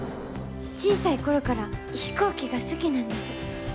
小さい頃から飛行機が好きなんです。